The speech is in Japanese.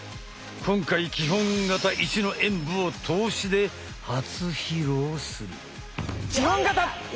今回基本形１の演武を通しで初披露する！